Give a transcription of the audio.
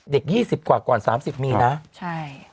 เด็กยี่สิบกว่าก่อนสามสิบครับใช่